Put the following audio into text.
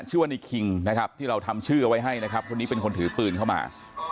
ชื่อว่าในคิงนะครับที่เราทำชื่อเอาไว้ให้นะครับคนนี้เป็นคนถือปืนเข้ามา